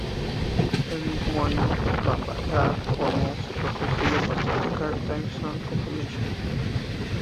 El mismo año, Bambaataa formó su propio sello para publicar Time Zone Compilation.